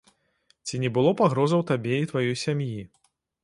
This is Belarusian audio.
Ці не было пагрозаў табе і тваёй сям'і?